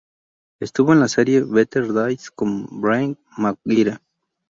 Estuvo en la serie "Better Days" como Brian McGuire.